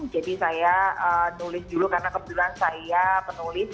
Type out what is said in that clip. jadi saya nulis dulu karena kebetulan saya penulis